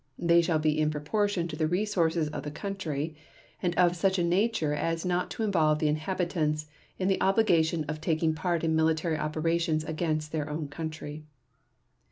They shall be in proportion to the resources of the country, and of such a nature as not to involve the inhabitants in the obligation of taking part in military operations against their own country."